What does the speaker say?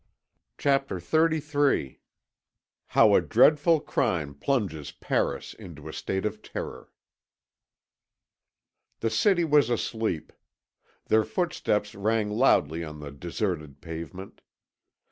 CHAPTER XXXIII HOW A DREADFUL CRIME PLUNGES PARIS INTO A STATE OF TERROR The city was asleep. Their footsteps rang loudly on the deserted pavement.